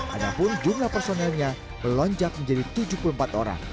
adapun jumlah personelnya melonjak menjadi tujuh puluh empat orang